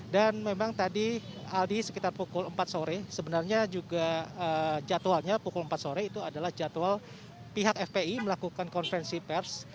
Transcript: dan memang tadi aldi sekitar pukul empat sore sebenarnya juga jadwalnya pukul empat sore itu adalah jadwal pihak fpi melakukan konferensi pers